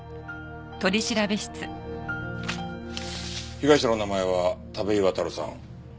被害者の名前は田部井亘さん。